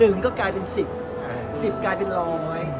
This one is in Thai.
หนึ่งก็กลายเป็นสิบสิบกลายเป็นร้อย